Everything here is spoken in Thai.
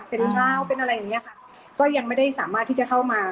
เป็นเช้าเป็นอะไรอย่างเงี้ยค่ะก็ยังไม่ได้สามารถที่จะเข้ามา